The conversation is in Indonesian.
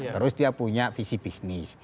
terus dia punya visi bisnis